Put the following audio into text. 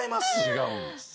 違うんです。